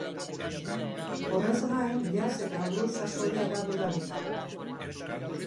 Horrez gain, jazz eta blues sasoia da dudarik gabe.